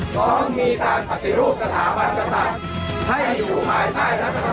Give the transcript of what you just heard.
พร้อมมีการปฏิรูปสถาบันกษัตริย์ให้อยู่ภายใต้รัฐบาล